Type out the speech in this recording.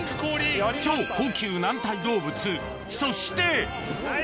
超高級軟体動物そして！